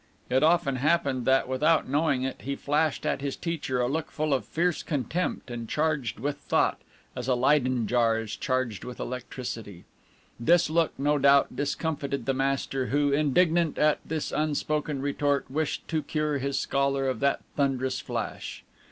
it often happened that, without knowing it, he flashed at his teacher a look full of fierce contempt, and charged with thought, as a Leyden jar is charged with electricity. This look, no doubt, discomfited the master, who, indignant at this unspoken retort, wished to cure his scholar of that thunderous flash.